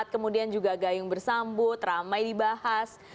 kemudian juga gayung bersambut ramai dibahas